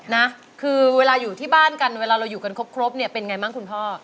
นะคือเวลาอยู่ที่บ้านกันเวลาเราอยู่กันครบเนี่ยเป็นไงบ้างคุณพ่อ